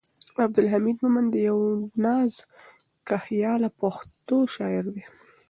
عبدالحمید مومند یو نازکخیاله پښتو شاعر دی.